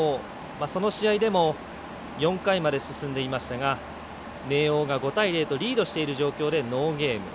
その試合でも、４回まで進んでいましたが明桜が５対０とリードしている状況でノーゲーム。